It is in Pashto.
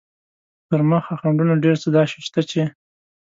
تر مخ خنډونه ډېر څه داسې شته چې.